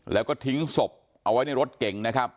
แล้วก็ทิ้งศพเอาไว้ในรถเก่งนะครับ